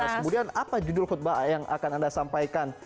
kemudian apa judul khutbah yang akan anda sampaikan